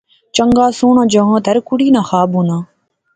چنگا سوہنا جنگت ہر کڑیا ناں خواب ہونا